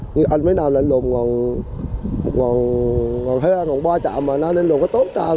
nhưng anh với nam lại lùm còn ba trăm linh mà năm nay lùm có tốt trăm